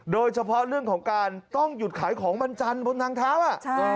โดยเฉพาะเรื่องของการต้องหยุดขายของวันจันทร์บนทางเท้า